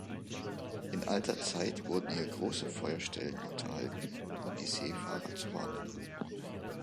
In alter Zeit wurden hier große Feuerstellen unterhalten, um die Seefahrer zu warnen.